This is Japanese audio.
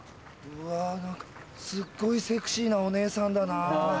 うわ何かすっごいセクシーなお姉さんだなぁ。